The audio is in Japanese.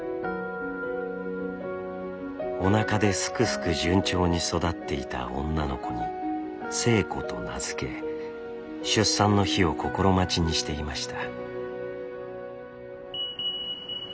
おなかですくすく順調に育っていた女の子に星子と名付け出産の日を心待ちにしていました。